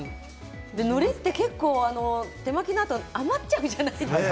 のりは手巻きだと余っちゃうじゃないですか。